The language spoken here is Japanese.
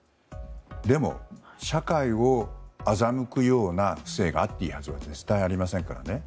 でも、社会を欺くような不正があっていいはずは絶対ありませんからね。